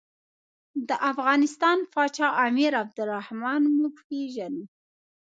د افغانستان پاچا امیر عبدالرحمن موږ پېژنو.